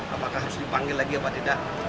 apakah harus dipanggil lagi apa tidak